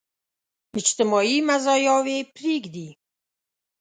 اجتماعي مزاياوې پرېږدي.